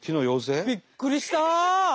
びっくりした！